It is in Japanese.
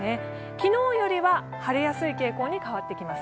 昨日よりは晴れやすい傾向に変わってきます。